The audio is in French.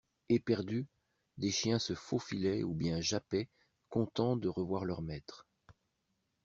Eperdus, des chiens se faufilaient ou bien jappaient, contents de revoir leurs maîtres.